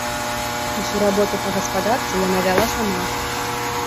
Усю работу па гаспадарцы яна вяла сама.